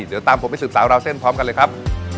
เดี๋ยวตามผมไปสืบสาวราวเส้นพร้อมกันเลยครับ